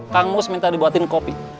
kang mus minta dibuatin kopi